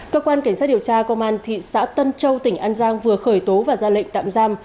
cơ quan cảnh sát điều tra công an thị xã tân châu tỉnh an giang vừa khởi tố và ra lệnh tạm giam